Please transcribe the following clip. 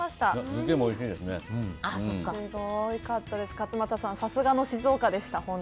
勝俣さん、さすがの静岡でした。